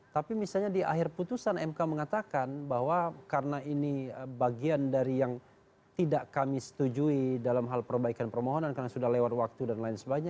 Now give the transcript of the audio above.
tapi misalnya di akhir putusan mk mengatakan bahwa karena ini bagian dari yang tidak kami setujui dalam hal perbaikan permohonan karena sudah lewat waktu dan lain sebagainya